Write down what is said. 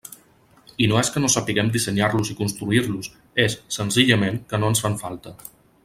I no és que no sapiguem dissenyar-los i construir-los, és, senzillament, que no ens fan falta.